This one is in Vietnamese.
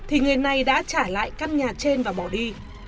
ông quang thuê ở trên và bỏ đi